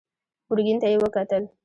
ګرګين ته يې وکتل.